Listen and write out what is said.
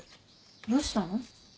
どうしたの？